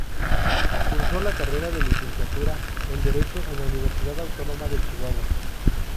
Cursó la carrera de Licenciatura en Derecho en la Universidad Autónoma de Chihuahua.